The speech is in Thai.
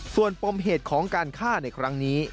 ส่วนปมเหตุของการฆ่าในครั้งนี้